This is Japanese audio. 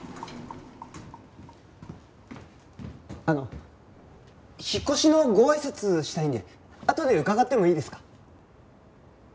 あの引っ越しのご挨拶したいんであとで伺ってもいいですか？